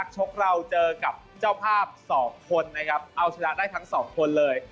เจ้าภาพสองคนนะครับเอาชนะได้ทั้งสองคนเลย